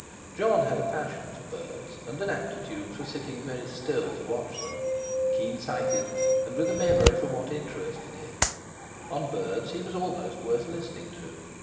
Jon had a passion for birds, and an aptitude for sitting very still to watch them; keen sighted, and with a memory for what interested him, on birds he was almost worth listening to.